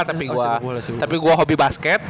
sepak bola tapi gua hobi basket